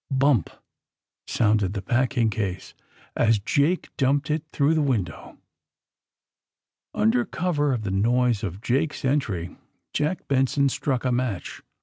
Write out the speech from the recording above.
Bump! sounded the packing case, as Jake dumped it in through the window. Under cover of the noise of Jake's entry Jack Benson struck a match.